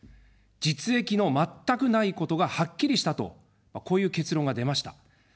実益の全くないことがはっきりしたと、こういう結論が出ました。